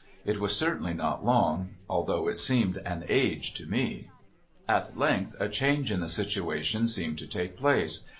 It was certainly not long, although it seemed an age to me. At length a change in the situation seemed to take place.